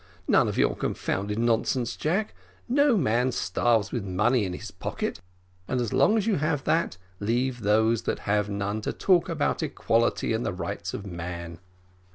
"None of your confounded nonsense, Jack; no man starves with money in his pocket, and as long as you have that, leave those that have none to talk about equality and the rights of man."